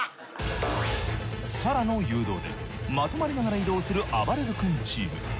ＳａＲａの誘導でまとまりながら移動するあばれる君チーム。